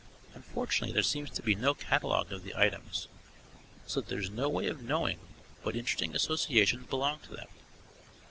Unfortunately there seems to be no catalogue of the items, so that there is no way of knowing what interesting associations belong to them.